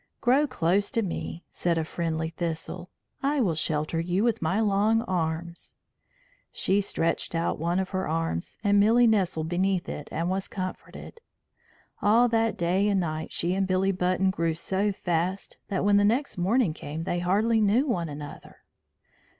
"Grow close to me," said a friendly Thistle. "I will shelter you with my long arms." She stretched out one of her arms, and Milly nestled beneath it and was comforted. All that day and night she and Billy Button grew so fast that when the next morning came they hardly knew one another.